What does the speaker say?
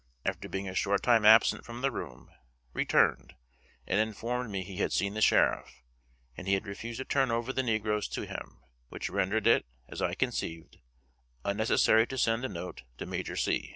after being a short time absent from the room, returned, and informed me he had seen the Sheriff, and he had refused to turn over the negroes to him, which rendered it, as I conceived, unnecessary to send the note to Major C.